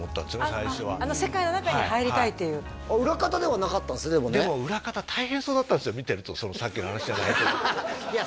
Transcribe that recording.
最初はあの世界の中に入りたいっていう裏方ではなかったんですねでもね見てるとさっきの話じゃないけどいや